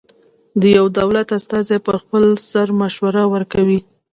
د یوه دولت استازی پر خپل سر مشوره ورکوي.